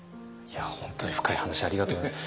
本当に深い話ありがとうございます。